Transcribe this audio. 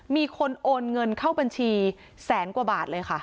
มีคนโอนเงินเข้าบัญชีแสนกว่าบาทเลยค่ะ